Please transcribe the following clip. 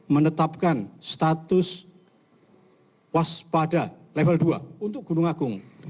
menetapkan status waspada level dua untuk gunung agung